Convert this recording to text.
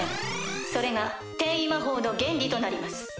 それが転移魔法の原理となります。